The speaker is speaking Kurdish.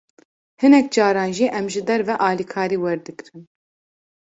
Hinek caran jî, em ji derve alîkarî werdigrin